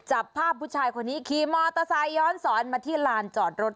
จับภาพผู้ชายคนนี้ขี่มอเตอร์ไซค์ย้อนสอนมาที่ลานจอดรถ